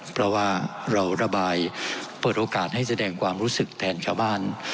เพราะว่าเราระบายเปิดโอกาสให้แสดงความรู้สึกแทนชาวบ้าน